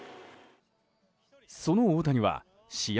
その大谷は試合